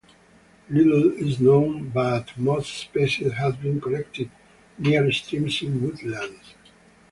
Little is known but most species have been collected near streams in woodlands.